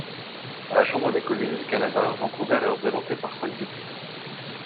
À la Chambre des communes du Canada, Vancouver est représentée par cinq députés.